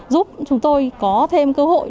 giúp chúng tôi có thêm cơ hội